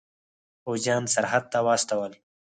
پوځیان سرحد ته واستول.